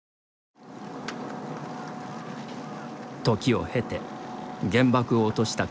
時を経て、原爆を落とした国